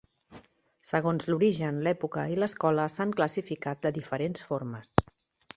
Segons l'origen, l'època i l'escola s'han classificat de diferents formes.